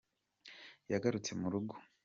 Yagarutse mu rugo